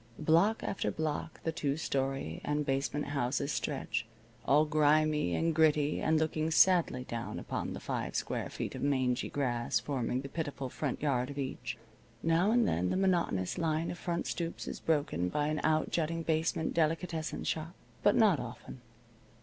Block after block the two story and basement houses stretch, all grimy and gritty and looking sadly down upon the five square feet of mangy grass forming the pitiful front yard of each. Now and then the monotonous line of front stoops is broken by an outjutting basement delicatessen shop. But not often.